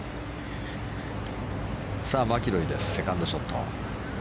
さあ、マキロイのセカンドショット。